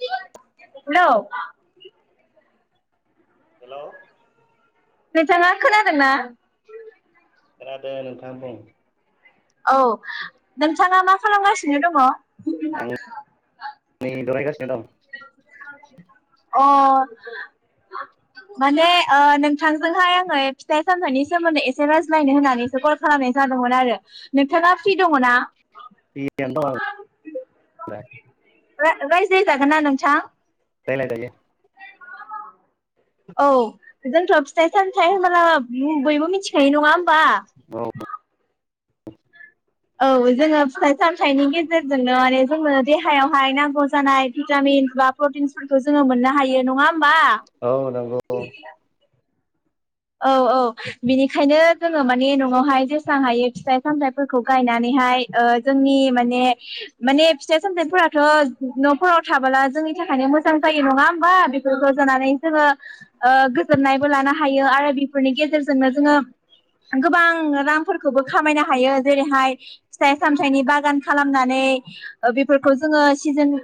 हेल' hello नोंथाङा खोनादोंना? ख दायाानो थामब औ नोंथाङा मा खालामगासिनो दङ? आंै दरायायगासिनो दं अ माने नोंथांजोंहाय आङो फिथाइ सामथाइनि सोमोन्दै एसे रायज्लायनो होननानैसो कल खालामनाय जादोंमोन आरो। नोंथाङा फ्रि दङना एन्द रायस जागोन ना नों स गायलाय जायोायो। औ जोंथ' फिथाइ सामथायाइ होनोमबला बयबो मिथिखायो नङा। होमबा? औ औ जोङो फिथाइ सामथाइनि गेजेरजोंनो माने जोंनो देहायावहाय नांगौ जानाय भिटामिन्स बा प्रटिन्सफोरखौ जोङो मोननो हायो। नङा होमबा? औ नंगौ औ औ बिनिखायनो जोङो माने न'आवहाय जेसेबां हायो फिथाइ सामथाइफोरखौ गायनानैहाय जोंनि माने माने फिथाइ सामथथायफोराथ' न'फोराव थाबोला जोंनि थाखायनो मोजां जायो नङा होमबा बेफोरखौ जानानै जोङो गोजोननायबो लानो हायो। ायो आरो बेफोरनि गेजेरजोंनो जोङो गोबां रांफोरखौबो खामायनो हायो जेरैहाय फिथाइ सामथाइनि बागान खालामनानै बेफोरखौ जोङो सिजोन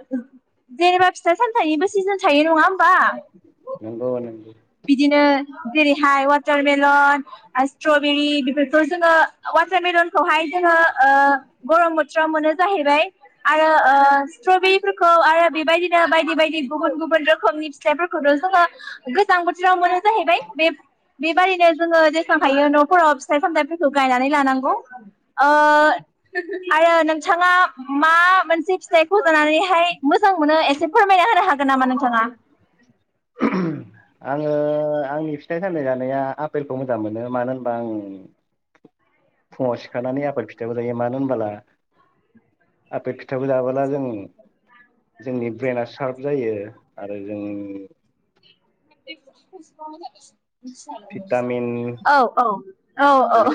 जेनेबा फिथाइ सामथाइनिबो सिजोन थायो, नङा होमबा? नंगौब न बिदिनो जेरैहाय वाटारमेलन स्ट्रबेरि बेफोरखौ जोङो वाटारमेलनखौहाय जोङो गरम बोथोराव मोनो जाहैबाय आरो स्ट्रबेरिफोरखौ आरो बेबायदिनो बायदि बायदि गुबुन गुबुन रोखोमनि फिथाइफोरखौनो जोङो बेसे्लां बोथोराव मोनो जाहैबाय बे बेबादिनो जोङो जेसे्लांखायो न'फोराव फिथाइ सामथायाइफोरखौ गायनानै लानांगौ आरो नोंथाङा मा मोनसे फिथाइखौ लानानैहाय मोजां मोनो, एसे फोरमायना होनो हागोन नामा नोंथाङा? आङो आंनि फिथाइ सामथाय जानाया आफपेलखौ मोजां मोनो मानो होनबा आं फुङाव सिखारनानै आफेल फिथाइखौ जायो मानो होनबोला आफपेल फिथाइखौ जाबो्ला जों जोंनि ब्रेनाआ सार्प जायो आरो जों खस मोन भिटामिन औ औ औ औ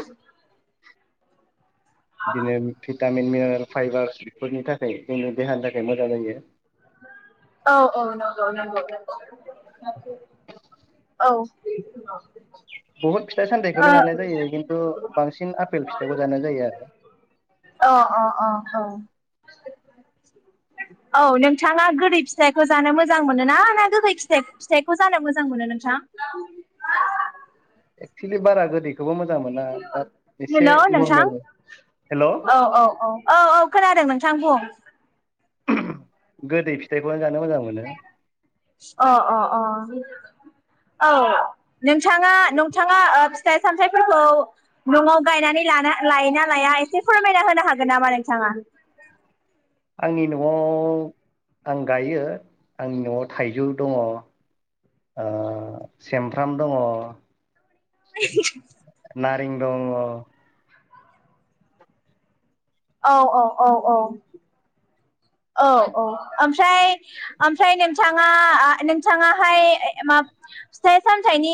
बिदिनो फिथ मिेल फाइबार बेफोरनि थाखाय जोंनो देहानि थाखाय मोजां जायो। औ औ नंगौ नंगौ। औ बहुत फिथाइ अ सामथाइखौनो जानाय जायो खिन्थु बांसिन आपेल फिथाइखौ जानाय जायो आरो। अ अ औ औ नोंथाङा गोरिब फिथाइखौ जानो मोजां मोनोना ना गोखै फिथाइखौ जानो मोजां मोनो नोंथां। एक्सुलि बारा गोदैखौ हेलौ नोंथां नरमेल हेल' औ औ औ औ औ खोनादों नोंथां बुं उहुम गोदै फिथाइखौ आं अ अ अ औ नोंथांङा नोंथांङा ओ फिथाइ सामथाइफोरखौ न'आव गायनानै लानो लायोना लाया एसे फोरमायना होनो हागोन नामा नोंथांङा? आंनि न'आव आं गायो आंनि न'आव थाइजौ दंङ ओ सेमफ्राम दंङ [unintelligible] नारें दंङ' औ औ औ औ औ औ ओमफ्राय ओमफ्राय नोंथांङा आ नोंथांङाहाय ए मा फिथाइ सामथाइनि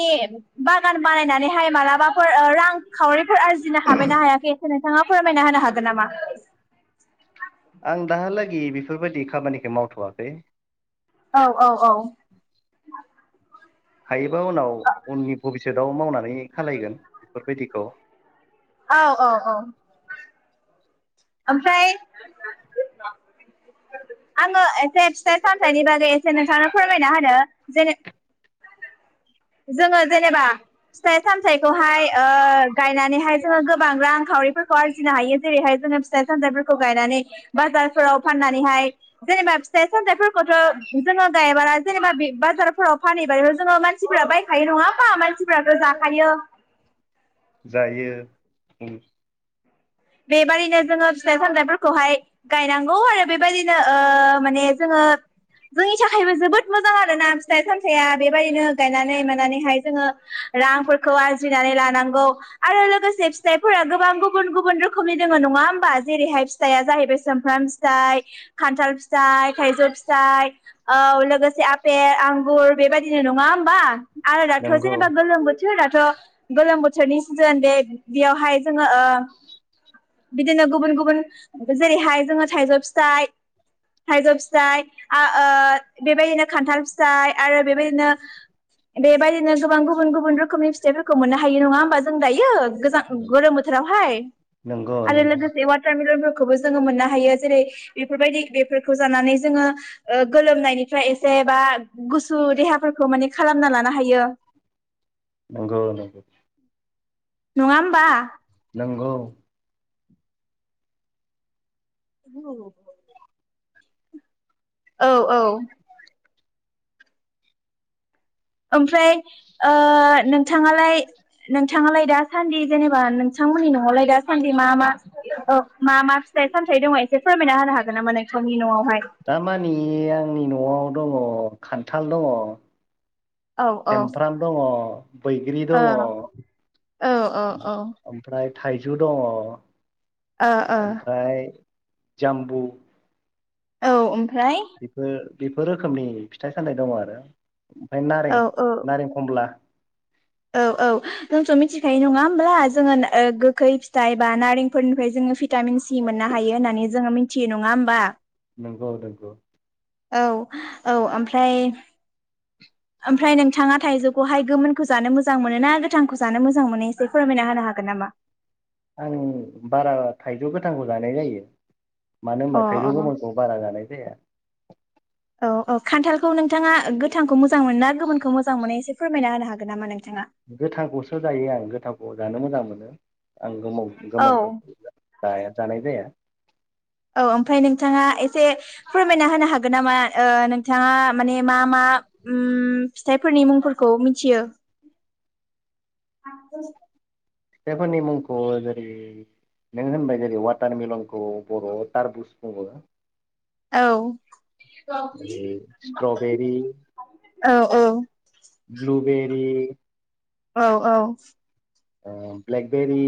बागान बानायनानैहाय मालाबाफोर रां खावरि फोर आरजिनो हाबायना हायाखै नोंथांङा फोरमायना होनो हागोन नामा? आं दाहाला ए बेफोरबायदि खामानिखौ मावथ'वाखै औ औ औ हायो नावनि [unintelligible] ट्रेदाव मावनानै खालायगोन बेफोरबायदिखौ औ औ औ ओमफ्राय आंङो एसे फिथाइ सामथायाइनि बागै एसे नोंथांनो फोरमायना होनो जेने जोंङो जेनेबा फिथाइ सामथाइखौहाय ओ गायनानैहाय जोंङो गोबां रां खावरिफोरखौ आरजिनो हायो जेरैहाय जोंङो फिथाइ सामथाइफोरखौ गायनानै बाजारफोराव फाननानैहाय जेनेबा फिथाइ सामथाइफोरखौथ' जोंङो गायबा जेनेबा बाजारफोराव फानहैबाबो जोंङो मानसिफोरा बायखायो नंङाहोनबा मानसिफोराथ' जाखायो जायो उम बेबादिनो जोंङो फिथाइ सामथायफोरखौहाय गायनांगौ आरो बेबायाददिनो ओ माने जोंङो जोंनि थाखायबो जोबोद मोजां आरोना फिथाइ सामथाइया बेबायदिनो गायनानै मोननानैहाय जोंङो रांफोरखौ आरजिनानै लानांगौ आरो लोगोसे फिथाइफोरा गोबां गुबुन गुबुन रोखोम रोखोमनि दोंङो नंङा होमबा जेरैहाय फिथाइया जाहैबाय सुमफ्राम फिथाइ खान्थाल फिथाइ थाइजौ फिथाइ औ लोगोसे आपेल आंगुर बेबायदिनो नंङा होमबा आरो दाथ' नंगौ जेनेबा गोलोमबोथोर बोथोराथ' गोलोम बोथोरनि सिजोन बे-बेयावहाय जोंङो ओ बिदिनो गुबुन गुबुन जेरैहाय जोंङो थाइजौ फिथाइ थाइजौ फिथाइ आ ओ बेबायदिनो खान्थाल फिथाइ आरो बेबायदिनो बेबायदिनो गोबां गुबुन गुबुन रोखोमनि फिथाइफोरखौ मोननो हायो नंङा होमबा जों दायो गोजां गोलोम बोथोरावहाय नोंगौ नोंगौ बोलोफोरखौबो जोंङो मोननो हायो जेरै बेफोरबायदि बेफोरखौ जानानै जोंङो ओ गोलोमनायनिफ्राय एसे बा गुसु देहाफोरखौ माने खालामना लानो हायो नोंगौ नोंगौ नंङा होमबा नंगौ औ [unintelligible] औ औ ओमफ्राय ओ नोंथांङालाय नोंथांङालाय दासान्दि जेनेबा नोंथांमोननि न'आवलाय दासान्दि मा मा ओ मा मा फिथाइ सामथायाइ दंङ एसे फोरमायना होनो हागोन नामा नोंथांनि न'आव दामानि आंनि न'आव दंङ खान्थाल दंङ औ औ समफ्राम दङ बैग्रि ओ दङ औ औ ओमफ्राय थाइजौ दङ औ ओ ओ ओमफ्राय जाम्बु औ ओमफ्राय बिफो बेफोर रोखोमनि फिथाइ सान्नाय दङ आरो। ओमफ्राय नारें औ नारें खमला औ औ जोंथ' मिथिखायो नङा होमब्ला जोङो गोखै फिथाइ एबा नारेंफोरनिफ्राय जोङो भिटामिन सि मोननो हायो होननानै जोङो मिथियो नङा होमबा। नंगौ नोंगौ औ औ ओमफ्राय ओमफ्राय नोंथाङा थाइजौखौहाय गोमोनखौ जानो मोजां मोनो ना गोथांखौ जानो मोजां मोनो एसे फोरमायना होनो हागोन नामा। आं बारा थाइजौ गोथांखौ जानाय जायो। मानो अ होनबा अ थायजौ गोमोनखौ बारा जानाय जाया। औ औ खान्थालखौ नोंथाङा गोथांखौ मोजां मोन ना गोमोनखौ मोजां मोननाय एसे फोरमायना होनो हागोन नामा नों गोथांखौसो जायो आं गोथांखौ जानो मोजां मोनो। आं औ गोमोनखौ जाया जानाय जाया औ ओमफ्राय नोंथाङा ए हे फोरमायना होनो हाग नामा ओ नोंथाङा माने मा मा ओम फिथाइफोरनि मुंफोरखौ मिथियो फिथाइफोरनि मुंखौ जेरै नों होनबाय जेरै वाटारमेलनखौ बर'आव टारबुस बुङो। औ सिट्रबेरी औ औ ब्लुबेरि औ औ आ ब्लेक बेेरि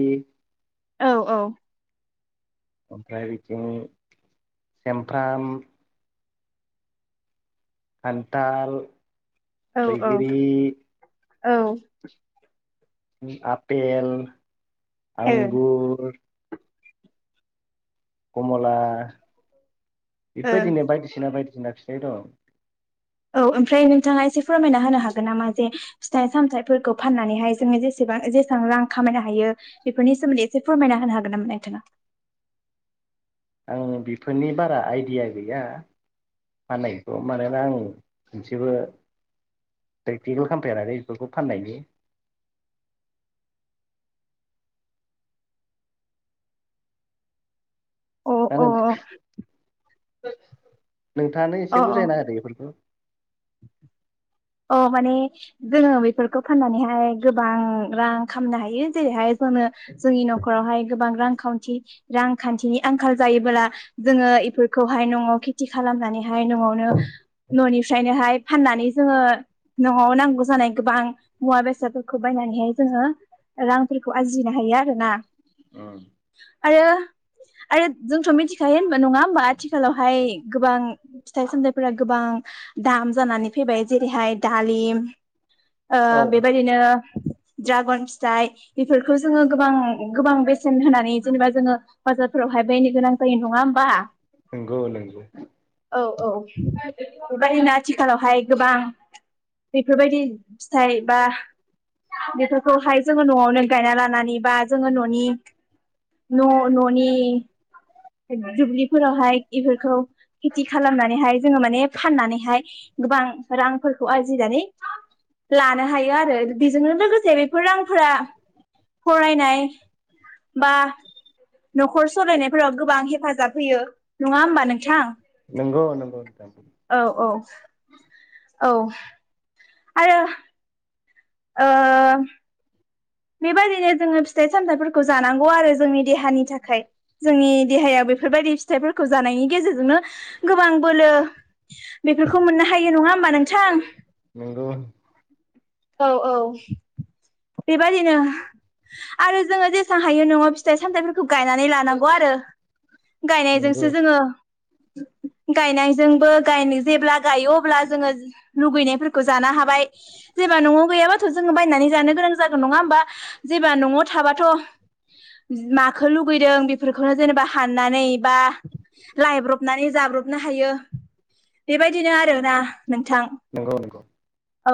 औ औ ओमफ्राय बिदिनो सेमफ्राम खानथाल औ बैग्रि औ आपेल ओ आंगुर कमला ओ बेफोरबायदिनो बायदिसिना बाय नाखिनाय दं औ ओमफ्राय नोंथाङा एसे फोरमायना होनो हागोन नामा जे फिथाइ सामथाइफोरखौ फाननानैहाय जोङो जेसेबां जेसेबां रां खामायनो हायो बेफोरनि सोमोन्दै एसे फोरमायना होनो हागोन नामा नोंथाङा आं बेफोरनि बारा आइडिया गैया फाननायखौ मानोना आं मोनसेबो प्रेक्टिकेल खालामफेर आरो बेफोरखौ फाननायनि अ दा अ [unintelligible] नोंथाङानो अ एसे बुजायना होदो बेफोरखौ अ माने जोङो बेफोरखौ फाननानैहाय गोबां रां खामनो हायो जेरैहाय जोंनो जोंनि न'खरावहाय गोबां रांखान्थि रांखान्थिनि आंखाल जायोबोला जोङो इफोरखौहाय न'आव खेथि खालामनानैहाय न'आवनो न'निफ्राय ओखायनोहाय फाननानै जोङो न'आव नांगौ जानाय गोबां मुवा बेसादफोरखौ बायनानैहाय जोङो रांफोरखौ आरजिनो हायो आरो ना अ आरो आरो जोंथ' मिथिखायो होनबा नङा होमबा आथिखालावहाय गोबां फिथाइ सामथाइफोरा गोबां दाम जानानै फैबाय जेरैहाय दालिम ओ बेबायदिनो ड्रागन फिथाइ बेफोरखौ जोङो गोबां गोबां बेसेन होनानै जेनेबा जोङो बाजारफोरावहाय बायनो गोनां जायो नङा होमबा नंगौ नंगौ औ औ बेबायदिनो आथिखालावहाय गोबां बेफोरबायदि फिथाइ बा बेफोरखौहाय जोङो न'आवनो गायना लानानै बा जोङो न'नि न न'नि दुब्लिफोरावहाय बेफोरखौ खेथि खालामनानैहाय जोङो माने फाननानैहाय गोबां रांफोरखौ आरजिनानै लानो हायो आरो बेजोंनो लोगोसे बेफोर रांफोरा फरायनाय बा न'खर सालायनायफोराव गोबां हेफाजाब होयो नङा होमबा नोंथां। नगौ नंगौ नोंथां [inaudible] औ आरो ओ बेबायदिनो जोङो फिथाइ सामथाइफोरखौ जानांगौ आरो जोंनि देहानि थाखाय जोंनि देहायाव बेफोरबायदि फिथाइफोरखौ जानायनि गेजेरजोंनो गोबां बोलो बेफोरखौ मोननो हायो नङा होमबा नोंथां नोंगौ औ औ बेबदिनो आरो जोङो जेसां हायो न'आव फिथाइ सामथायाइफोरखौ गायनानै लानांगौ आरो नंगौ गायनायजोंसो जोङो गायनायजोंबो गायनो जेब्ला गायो अब्ला जोङो लुगैनायफोरखौ जानो हाबाय जेब्ला न'आव गैयाबाथ' जोङो बायनानै जानो गोनां जागोन नङा होमबा जेबा न'आव थाबाथ' माखौ लुुबैदों बेफोरखौनो जेनेबा हाननानै बा लायब्रबनानै जाब्रबनो हायो बेबायदिनो आरोना नोंथां नंगौ नंगौ औ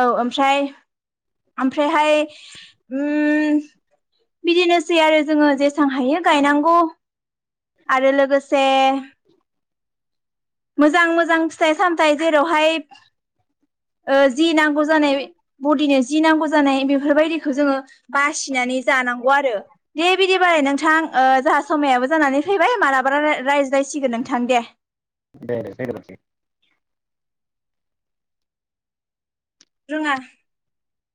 औ ओमफ्राय ओमफ्रायहाय उम बिदिनोसै आरो जोङो जेसबां हायो गायनांगौ आरो लोगोसे मोजां मोजां फिथाइ सामथाइ जेरावहाय जि नांगौ जानाय बडिनो जि नांगौ जानाय बेफोरबायदिखौ जोङो बासिनानै जानांगौ आरो दे बिदिबालाय नोंथां जाहा समायाबो जानानै फैबाय मालाबा रायलाय रायज्लायसिगोन नोंथां दे दे दे रोङा